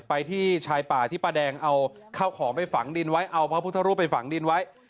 ไปที่ชายป่าที่ป้าแดงเอาข้าวของไปฝังดินไว้เอาพระพุทธรูปไปฝังดินไว้